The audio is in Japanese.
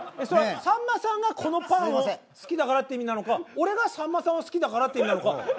さんまさんがこのパンを好きだからって意味なのか俺がさんまさんを好きだからって意味なのか。